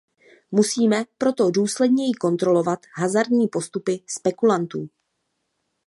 Musíme proto důsledněji kontrolovat hazardní postupy spekulantů.